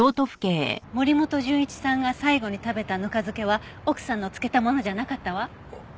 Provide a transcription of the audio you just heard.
森本純一さんが最後に食べたぬか漬けは奥さんの漬けたものじゃなかったわ。